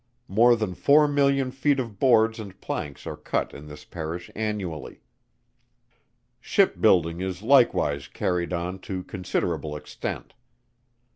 More than four million feet of boards and planks are cut in this Parish annually. Ship building is likewise carried on to considerable extent.